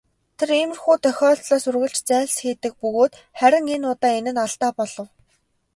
Тэр иймэрхүү тохиолдлоос үргэлж зайлсхийдэг бөгөөд харин энэ удаа энэ нь алдаа болов.